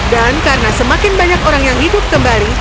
dan karena semakin banyak orang yang hidup kembali